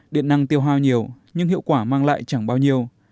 điện năng tiêu hao nhiều nhưng hiệu quả mang lại chẳng bao nhiêu